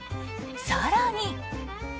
更に。